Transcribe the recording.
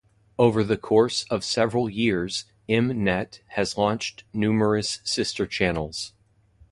Over the course of several years, M-Net has launched numerous sister channels.